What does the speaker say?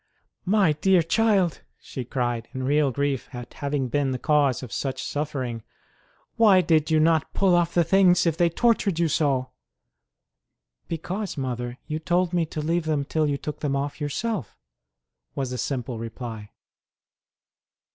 My dear child ! she cried, in real grief at having been the cause of such suffering, why did you not pull off the things if they tortured you so ? Because, mother, you told me to leave them till you took them off yourself, was the simple reply.